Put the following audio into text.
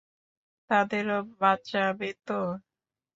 তাদেরও বাঁচাবে তো?